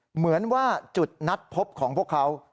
เหมือนว่าจุดนัดพบของพวกเขา